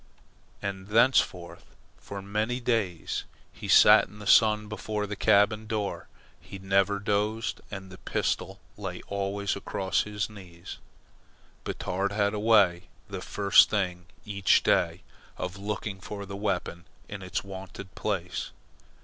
And thenceforth for many days he sat in the sun before the cabin door. He never dozed, and the pistol lay always across his knees. Batard had a way, the first thing each day, of looking for the weapon in its wonted place.